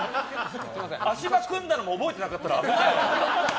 足場組んだのも覚えてなかったら、危ないわ。